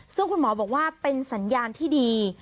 ซึ่งคุณหมอบอกว่าเป็นสัญญาณที่ดี